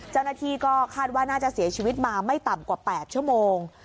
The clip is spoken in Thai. เจ้าหน้าที่ก็คาดว่าน่าจะเสียชีวิตมาไม่ต่ำกว่า๘ชั่วโมง